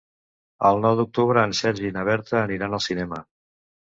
El nou d'octubre en Sergi i na Berta aniran al cinema.